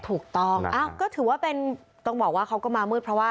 ถูกต้องก็ถือว่าเป็นต้องบอกว่าเขาก็มามืดเพราะว่า